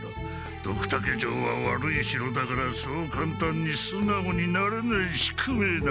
ドクタケ城は悪い城だからそう簡単にすなおになれない宿命なのだ。